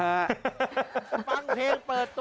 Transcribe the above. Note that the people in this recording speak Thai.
ฟังเพลงเปิดตัว